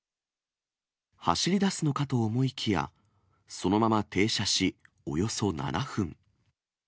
走りだすのかと思いきや、そのまま停車し、およそ７分。